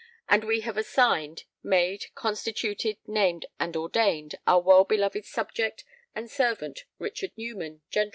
And we have assigned made constituted named and ordained ... our well beloved subject and servant Richard Newman gent.